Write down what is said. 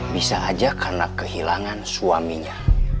bisa aja karena kehilangan suaminya